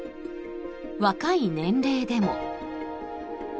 若い年齢でも。